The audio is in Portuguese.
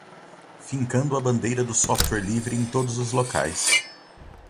Fincando a bandeira do software livre em todos os locais